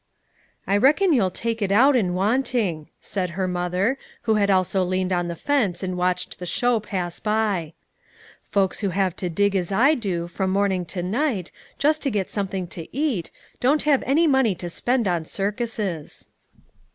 "I reckon you'll take it out in wanting," said her mother, who had also leaned on the fence and watched the show pass by. "Folks who have to dig as I do, from morning to night, just to get something to eat, don't have any money to spend on circuses."